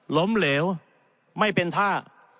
ล้มเหลวไม่เป็นท่า